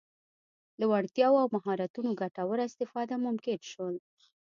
له وړتیاوو او مهارتونو ګټوره استفاده ممکن شول.